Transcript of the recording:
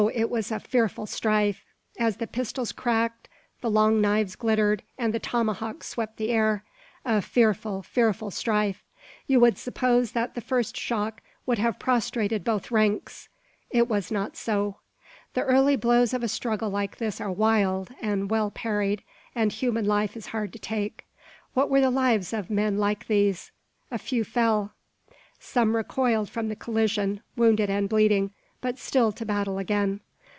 it was a fearful strife, as the pistols cracked, the long knives glittered, and the tomahawks swept the air; a fearful, fearful strife! You would suppose that the first shock would have prostrated both ranks. It was not so. The early blows of a struggle like this are wild, and well parried, and human life is hard to take. What were the lives of men like these? A few fell. Some recoiled from the collision, wounded and bleeding, but still to battle again.